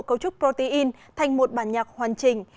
cấu trúc protein thành một bản nhạc hoàn trình